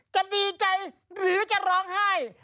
จะดีใจหรือจะร้องไห้